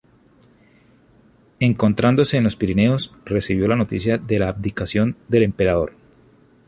Encontrándose en los Pirineos, recibió la noticia de la abdicación del emperador.